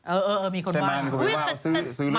เออมีคนมาว่าเขาซื้อรึเปล่า